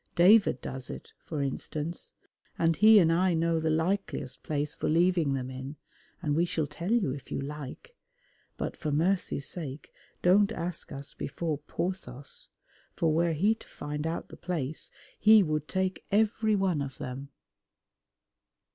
David does it, for instance, and he and I know the likeliest place for leaving them in, and we shall tell you if you like, but for mercy's sake don't ask us before Porthos, for were he to find out the place he would take every one of them.